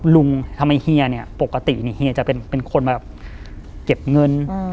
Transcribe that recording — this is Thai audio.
ทำไมเฮียเนี่ยปกติเนี่ยเฮียจะเป็นคนมาแบบเก็บเงิน